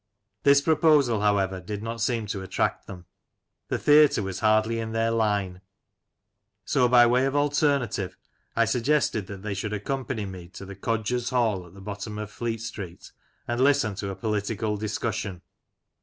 This proposal, however, did not seem to attract them — the theatre was hardly in their line ; so, by way of alternative, I sug gested that they should accompany me to the "Coger's Hall," at the bottom of Fleet Street, and listen to a political discussion.